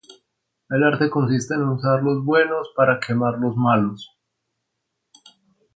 El arte consistía en usar los buenos para quemar los malos.